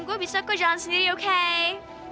gue bisa kejalan sendiri okay